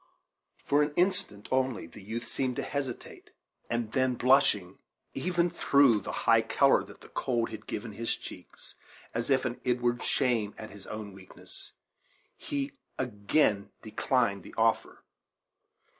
For an instant only the youth seemed to hesitate, and then, blushing even through the high color that the cold had given to his cheeks, as if with inward shame at his own weakness, he again declined the offer.